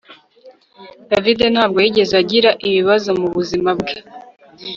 David ntabwo yigeze agira ibibazo mubuzima bwe